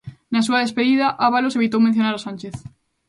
Na súa despedida, Ábalos evitou mencionar a Sánchez.